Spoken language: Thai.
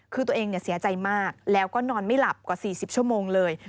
คือตัวเองเสียใจมากแล้วก็นอนไม่หลับกว่า๔๐ชั่วโมงเลย